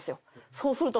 そうすると。